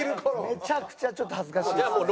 めちゃくちゃちょっと恥ずかしいですね。